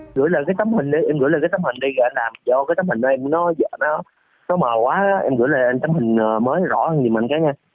em gửi lại cái tấm hình đi em gửi lại cái tấm hình đi em làm cho cái tấm hình này em nói dạ nó mờ quá em gửi lại tấm hình mới rõ hơn gì mà anh cái nha